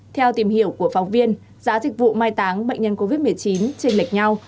theo tìm hiểu của phóng viên giá dịch vụ may táng bệnh nhân covid một mươi chín trên lịch nhau